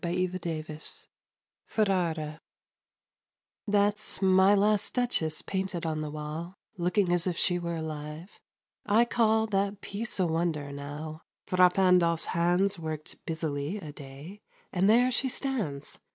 MY LAST DUCHESS Ferrara That's my last Duchess painted on the wall, Looking as if she were alive. I call That piece a wonder, now: Fra Pandolf's hands Worked busily a day, and there she stands.